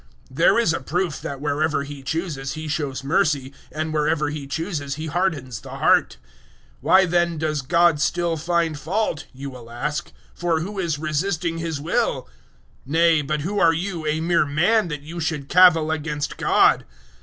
009:018 This is a proof that wherever He chooses He shows mercy, and wherever he chooses He hardens the heart. 009:019 "Why then does God still find fault?" you will ask; "for who is resisting His will?" 009:020 Nay, but who are you, a mere man, that you should cavil against GOD?